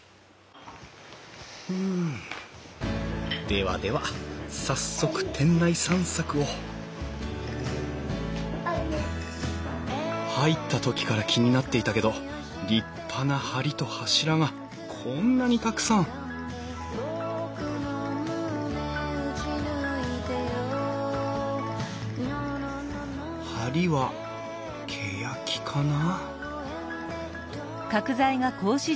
ではでは早速店内散策を入った時から気になっていたけど立派な梁と柱がこんなにたくさん梁はけやきかな？